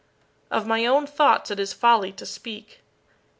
Of my own thoughts it is folly to speak.